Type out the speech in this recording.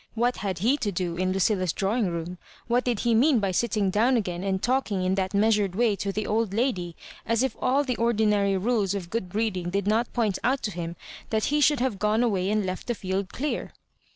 What had Ae to do in Lucilla's drawing room? what did he mean by sitting down again and talking in that measured way to the old lady, as if all the orduiary rules of good breeding did not point out to him that he should have gone away and left the field dear